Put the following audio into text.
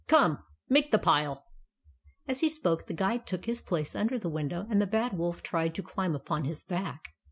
Come ! Make the pile." As he spoke, the Guide took his place under the window, and the Bad Wolf tried to climb upon his back.